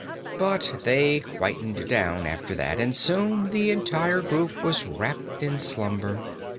But they quieted down after that, and soon the entire camp was wrapped in slumber.